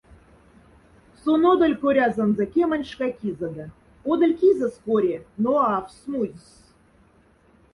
Сон одоль корязонза кемоньшка кизода, одоль кизос коре, но аф смузьс.